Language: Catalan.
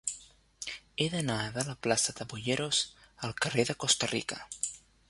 He d'anar de la plaça de Boyeros al carrer de Costa Rica.